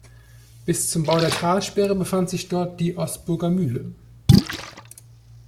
Bis zum Bau der Talsperre befand sich dort die "Osburger Mühle".